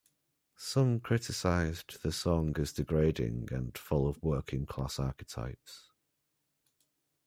Some criticized the song as degrading and full of working-class archetypes.